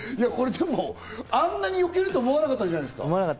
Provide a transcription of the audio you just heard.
でもこれ、あんなによけると思わなかったんじゃないですか？